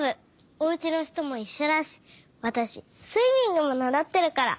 おうちのひともいっしょだしわたしスイミングもならってるから。